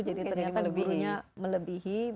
jadi ternyata gurunya melebihi